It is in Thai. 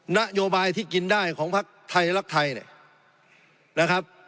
นโยบายที่กินได้ของพักไทยรักไทยเนี่ยนะครับ